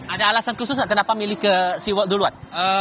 ada alasan khusus kenapa milih ke siwak duluan